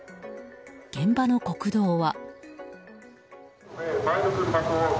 現場の国道は。